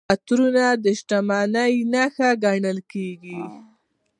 عطرونه د شتمنۍ نښه ګڼل کیږي.